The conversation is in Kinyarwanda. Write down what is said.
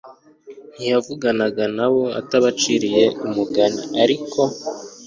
ntiyavuganaga na bo atabaciriye umugani ariko